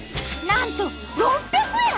なんと６００円！